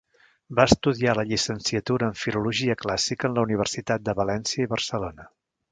Va estudiar la llicenciatura en Filologia Clàssica en la Universitat de València i Barcelona.